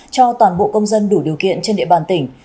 cho toàn bộ công dân đủ điều kiện trên địa bàn tỉnh